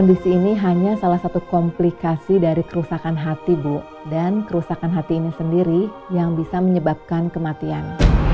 kondisi ini hanya salah satu komplikasi dari kerusakan hati bu dan kerusakan hati ini sendiri yang bisa menyebabkan kematian